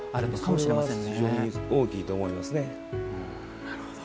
それは非常に大きいと思います。